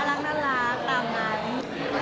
โอเคค่ะน่ารักตามไง